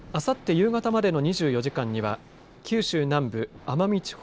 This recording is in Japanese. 夕方までの２４時間には九州南部、奄美地方